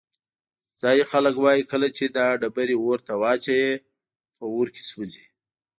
ځایی خلک وایي کله چې دا ډبرې اور ته واچوې په اور کې سوځي.